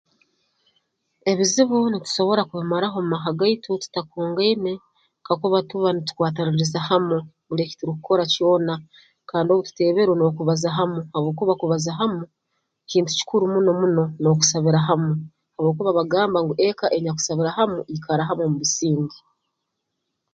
Ebizibu nitusobora kubimaraho mu maka gaitu tutakungaine kakuba tuba nitukwatiraniza hamu buli eki turukukora kyona kandi obu tuteeberwe n'okubaza hamu habwokuba kubaza hamu kintu kikuru muno muno n'okusabira hamu habwokuba bagamba ngu eka enyakusabira hamu ikara hamu omu businge